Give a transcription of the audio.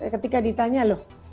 ketika ditanya loh